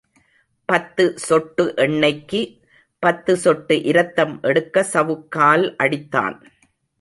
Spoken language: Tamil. பத்து சொட்டு எண்ணெய்க்கு பத்து சொட்டு இரத்தம் எடுக்க சவுக்கால் அடித்தான்.